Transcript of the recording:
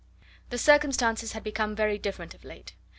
The circumstances had become very different of late.